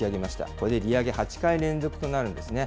これで利上げ８回連続となるんですね。